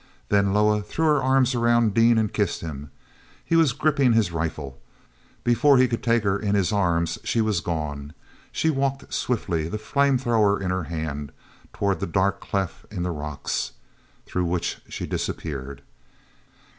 Then Loah threw her arms around Dean and kissed him. He was gripping his rifle; before he could take her in his arms, she was gone. She walked swiftly, the flame thrower in her hands, toward the dark cleft in the rocks, through which she disappeared.